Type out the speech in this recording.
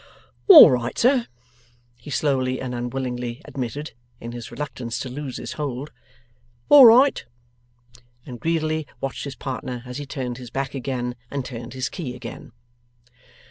'All right, sir,' he slowly and unwillingly admitted, in his reluctance to loose his hold, 'all right!' And greedily watched his partner as he turned his back again, and turned his key again.